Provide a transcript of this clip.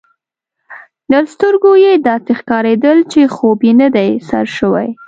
له سترګو يې داسي ښکارېدل، چي خوب یې نه دی سر شوی.